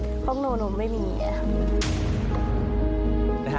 พวกหนูหนูไม่มี